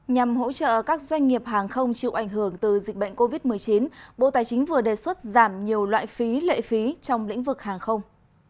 nhằm hỗ trợ các doanh nghiệp hàng không chịu ảnh hưởng từ dịch bệnh covid một mươi chín bộ tài chính vừa đề xuất giảm nhiều loại phí lệ phí trong lĩnh vực hàng không